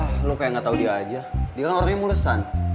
ah lo kayak gak tau dia aja dia kan orangnya mulesan